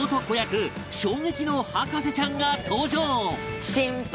衝撃の博士ちゃんが登場